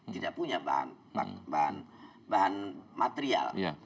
tidak punya bahan material